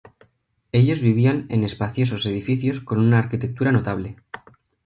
Ellos vivían en espaciosos edificios con una arquitectura notable.